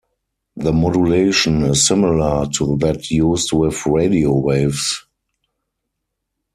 The modulation is similar to that used with radio waves.